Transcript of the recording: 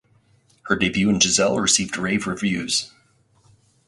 Her debut in "Giselle" received rave reviews.